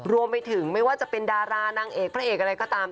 รวมไปถึงไม่ว่าจะเป็นดารานางเอกพระเอกอะไรก็ตาม